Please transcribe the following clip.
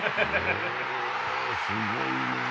すごいね。